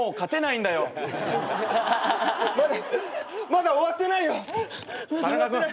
まだ終わってないから！